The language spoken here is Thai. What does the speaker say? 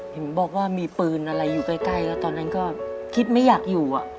เห็นบอกว่ามีปืนอะไรอยู่ใกล้แล้วตอนนั้นก็คิดไม่อยากอยู่